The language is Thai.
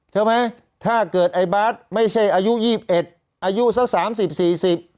ใช่ไหมถ้าเกิดไอ้บาทไม่ใช่อายุยี่สิบเอ็ดอายุสักสามสิบสี่สิบ